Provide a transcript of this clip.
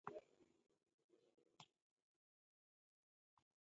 deka bana kedu